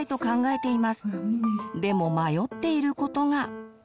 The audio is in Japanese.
でも迷っていることが。